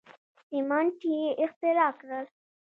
سیمنټ یې اختراع کړل.